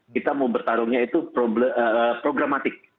kita mau bertarungnya itu programatik